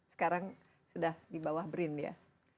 sekarang sudah di bawah brin ya